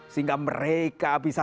sehingga mereka bisa